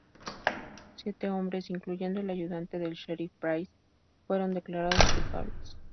Siete hombres, incluyendo el ayudante del sheriff Price, fueron declarados culpables.